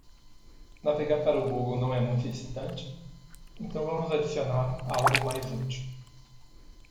Navegar para o Google não é muito excitante?, então vamos adicionar algo mais útil.